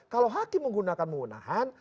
kalau hakim menggunakan menggunakan